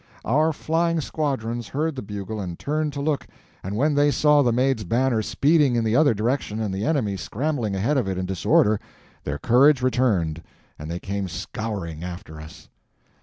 Our flying squadrons heard the bugle and turned to look; and when they saw the Maid's banner speeding in the other direction and the enemy scrambling ahead of it in disorder, their courage returned and they came scouring after us.